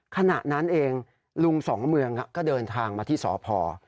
ขณะนั้นเองลุงสองเมืองก็เดินทางมาที่สพ